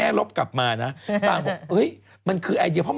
เยอะแย่พี่มดำมีเยอะแล้วใช่ไหมเยอะมาก